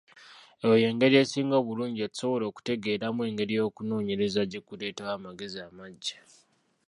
Eyo y'engeri esinga obulungi gye tusobola okutegeeramu engeri okunoonyereza gye kuleetawo amagezi amaggya.